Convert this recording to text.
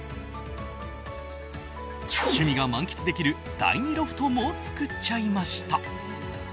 趣味が満喫できる第２ロフトも作っちゃいました。